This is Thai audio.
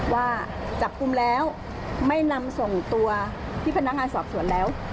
ว่าจับกลุ่มแล้วไม่นำส่งตัวที่พนักงานสอบสวนแล้ว